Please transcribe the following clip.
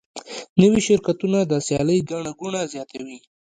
نوي شرکتونه د سیالۍ ګڼه ګوڼه زیاتوي.